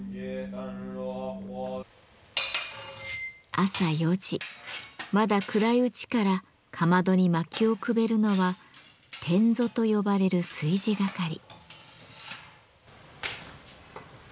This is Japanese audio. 朝４時まだ暗いうちからかまどに薪をくべるのは「典座」と呼ばれる炊事係。